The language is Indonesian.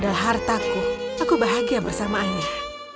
dan suatu hari takdirnya berubah